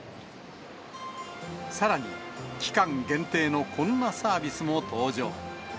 さらに期間限定のこんなサービスも登場。